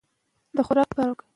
د خوراک پر مهال اوبه لږ ورکړئ.